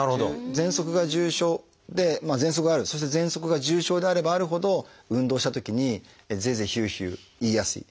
ぜんそくが重症でぜんそくがあるそしてぜんそくが重症であればあるほど運動したときにゼーゼーヒューヒューいいやすい。